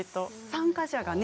参加者がね